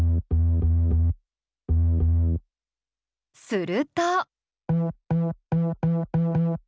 すると。